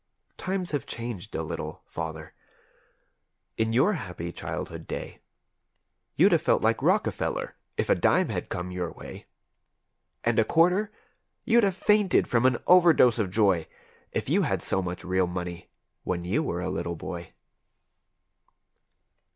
Times have changed a little, father; in your happy childhood day You'd have felt like Rockefeller if a dime had come your way; And a quarter! You'd have fainted from an overdose of joy If you had so much real money when you were a little boy.